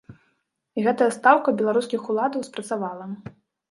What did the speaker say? І гэтая стаўка беларускіх уладаў спрацавала.